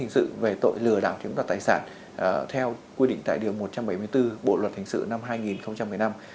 hình sự về tội lừa đảo chiếm đoạt tài sản theo quy định tại điều một trăm bảy mươi bốn bộ luật hình sự năm hai nghìn một mươi năm